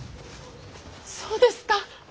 そうですか！